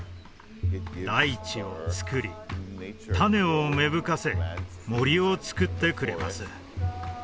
大地をつくり種を芽吹かせ森をつくってくれます